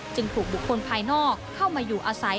ถูกบุคคลภายนอกเข้ามาอยู่อาศัย